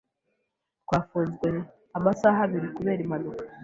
Twafunzwe amasaha abiri kubera impanuka.